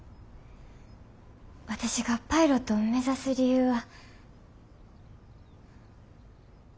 私がパイロットを目指す理由は。